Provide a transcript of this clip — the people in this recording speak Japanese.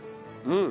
うん。